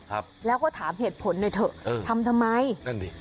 ครับแล้วก็ถามเหตุผลหน่อยเถอะเออทำทำไมนั่นดิ